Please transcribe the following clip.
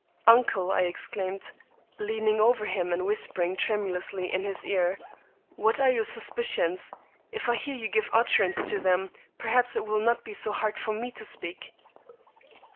"Uncle," I exclaimed, leaning over him and whispering tremulously in his ear, "what are your suspicions? If I hear you give utterance to them, perhaps it will not be so hard for me to speak."